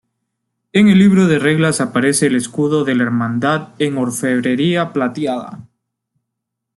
En el Libro de Reglas aparece el escudo de la hermandad en orfebrería plateada.